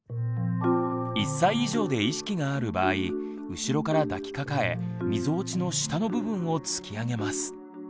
１歳以上で意識がある場合後ろから抱きかかえみぞおちの下の部分を突き上げます。